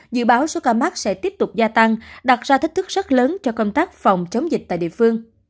dự báo số ca mắc sẽ tiếp tục gia tăng đặt ra thách thức rất lớn cho công tác phòng chống dịch tại địa phương